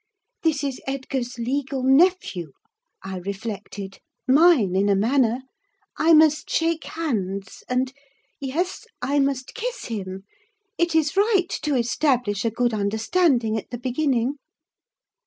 "This is Edgar's legal nephew," I reflected—"mine in a manner; I must shake hands, and—yes—I must kiss him. It is right to establish a good understanding at the beginning."